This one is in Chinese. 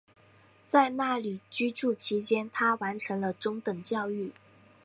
在那里居住期间她完成了中等教育。